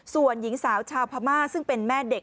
ส่วนหญิงสาวชาวพม่าซึ่งเป็นแม่เด็ก